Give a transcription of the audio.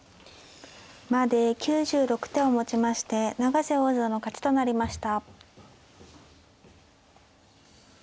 まで９６手をもちまして永瀬王座の勝ちとなりました。